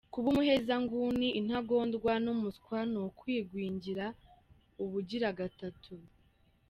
Kuba umuhezanguni, intagondwa n’umuswa ni ukugwingira ubugira gatatu